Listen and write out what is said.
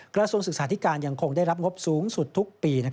กระทรวงศึกษาธิการยังคงได้รับงบสูงสุดทุกปี